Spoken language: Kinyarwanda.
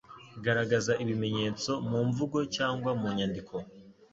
Garagaza ibimenyetso mu mvugo cyangwa mu nyandiko,